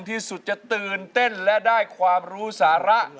ที่สุดจะตื่นเต้นและได้ความรู้สาระ